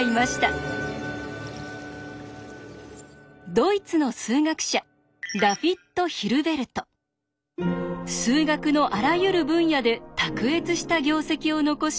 ドイツの数学者数学のあらゆる分野で卓越した業績を残し